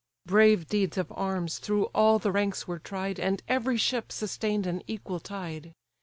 Brave deeds of arms through all the ranks were tried, And every ship sustained an equal tide.